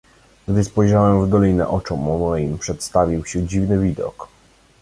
"Gdy spojrzałem w dolinę, oczom moim przedstawił się dziwny widok."